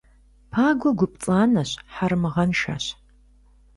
Пагуэ гу пцӏанэщ, хьэрэмыгъэншэщ.